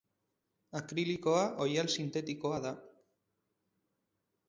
Akrilikoa ohial sintetikoa da.